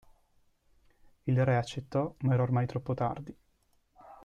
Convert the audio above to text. Il re accettò ma era ormai troppo tardi.